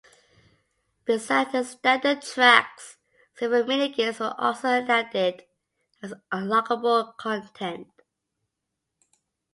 Besides the standard tracks, several mini games were also added as unlockable content.